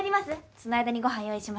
その間にご飯用意しますから。